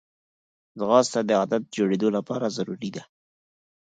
ځغاسته د عادت جوړېدو لپاره ضروري ده